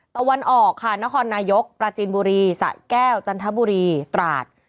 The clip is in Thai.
ตะวันออกค่ะนครนายกปราจีนบุรีสะแก้วจันทบุรีตราด